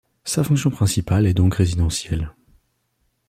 Sa fonction principale est donc résidentielle.